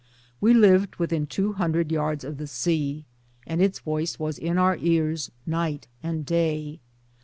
We lived within two hundred yards of the sea, and its voice was in our ears night and day.